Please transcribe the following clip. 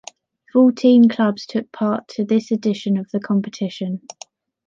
Fourteen clubs took part to this edition of the competition.